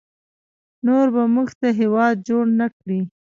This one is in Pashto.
نور به موږ ته هیواد جوړ نکړي